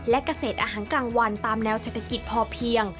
และเกษตรอาหารกลางวันตามแนวเศรษฐกิจพอเพียง